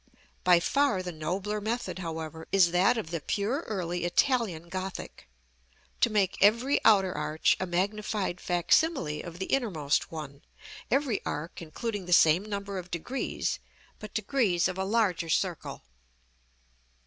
By far the nobler method, however, is that of the pure early Italian Gothic; to make every outer arch a magnified fac simile of the innermost one, every arc including the same number of degrees, but degrees of a larger circle.